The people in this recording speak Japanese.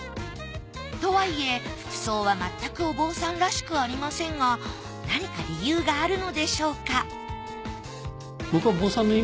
とはいえ服装はまったくお坊さんらしくありませんが何か理由があるのでしょうか？